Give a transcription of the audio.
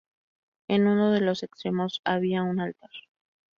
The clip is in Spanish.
En uno de los extremos había un altar.